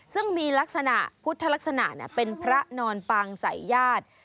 ซึ่งมีลักษณะพุทธลักษณะเป็นพระนอนปางสายญาติ